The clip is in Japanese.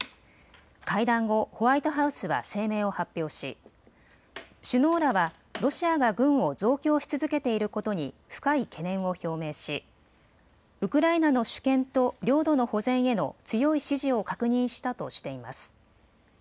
会談後、ホワイトハウスは声明を発表し、首脳らはロシアが軍を増強し続けていることに深い懸念を表明しウクライナの主権と領土の保全への強い支持を確認したとしています。